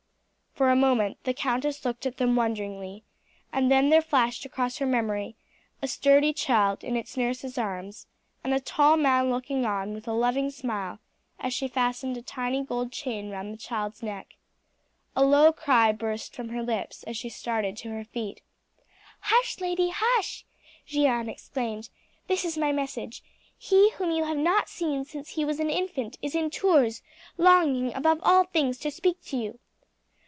For a moment the countess looked at them wonderingly, and then there flashed across her memory a sturdy child in its nurse's arms, and a tall man looking on with a loving smile as she fastened a tiny gold chain round the child's neck. A low cry burst from her lips as she started to her feet. "Hush, lady, hush!" Jeanne exclaimed. "This is my message: 'He whom you have not seen since he was an infant is in Tours, longing above all things to speak to you.'"